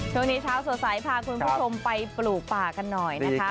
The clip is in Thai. ช่วงนี้เช้าสวสัยพาคุณผู้ชมไปปลูกป่ากันหน่อยนะคะ